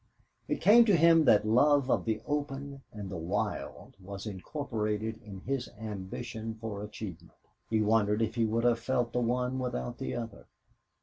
It came to him that love of the open and the wild was incorporated in his ambition for achievement. He wondered if he would have felt the one without the other.